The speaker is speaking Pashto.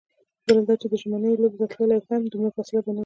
بله دا چې که ژمنیو لوبو ته تللې هم، دومره فاصله به نه وي.